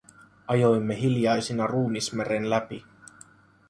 Ajoimme hiljaisina ruumismeren läpi.